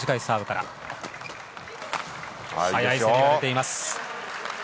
速い攻めが出ています。